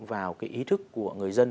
vào cái ý thức của người dân